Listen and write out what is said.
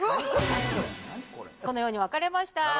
このように分かれました